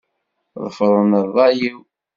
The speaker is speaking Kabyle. Ḍefṛem ṛṛay-iw.